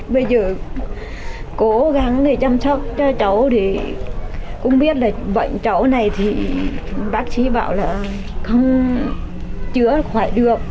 bây giờ cố gắng để chăm sóc cho cháu thì cũng biết là bệnh cháu này thì bác sĩ bảo là không chữa khỏi được